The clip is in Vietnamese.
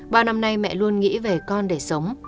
ba năm nay mẹ luôn nghĩ về con để sống